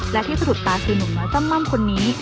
และที่สะดุดตาคือหนุ่มน้อยจ้ำม่ำคนนี้